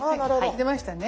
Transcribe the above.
出ましたね。